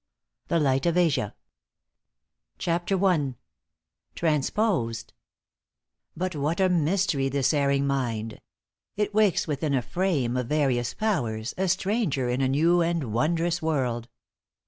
_ THE LIGHT OF ASIA. *CHAPTER I.* *TRANSPOSED.* But what a mystery this erring mind! It wakes within a frame of various powers A stranger in a new and wondrous world.